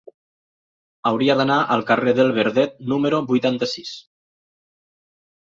Hauria d'anar al carrer del Verdet número vuitanta-sis.